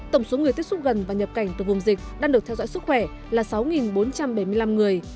tổng số người tiếp xúc gần và nhập cảnh từ vùng dịch đang được theo dõi sức khỏe là sáu bốn trăm bảy mươi năm người